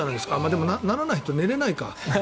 でも、ならないと寝られないか。